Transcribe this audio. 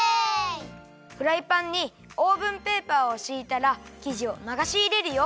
フライパンにオーブンペーパーをしいたらきじをながしいれるよ。